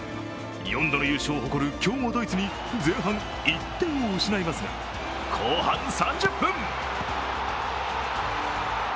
４度の優勝を誇る強豪・ドイツに前半、１点を失いますが後半３０分